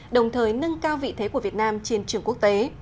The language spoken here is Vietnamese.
đồng thời nâng cao vị thế của việt nam trên trường quốc tế